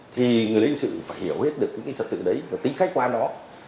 thì người lính sự phải hiểu hết được cái trật tự đấy và tính khách quan đó